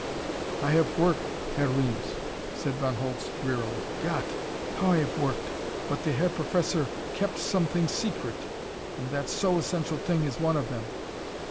"I have worked, Herr Reames," said Von Holtz drearily. "Gott! How I have worked! But the Herr Professor kept some things secret, and that so essential thing is one of them."